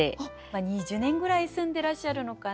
２０年ぐらい住んでらっしゃるのかな？